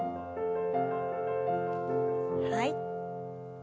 はい。